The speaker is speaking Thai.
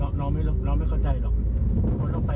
อันนี้เรื่องไม่ใช่เรื่องตลกเนอะ